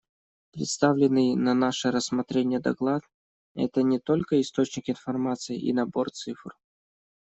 Представленный на наше рассмотрение доклад — это не только источник информации и набор цифр.